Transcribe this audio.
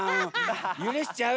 ゆるしちゃう！